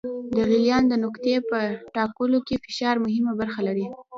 د غلیان د نقطې په ټاکلو کې فشار مهمه برخه لري.